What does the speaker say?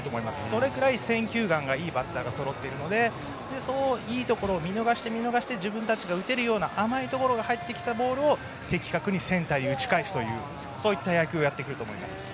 それくらい選球眼がいいバッターがそろっているのでいいところを見逃して自分たちが打てるような甘いところに入ってきたボールを的確にセンターへ打ち返す野球をやってくると思います。